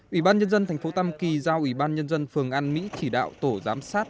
ủy ban nhân dân thành phố tam kỳ giao ủy ban nhân dân phường an mỹ chỉ đạo tổ giám sát